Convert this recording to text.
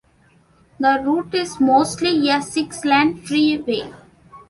The route is mostly a six-lane freeway.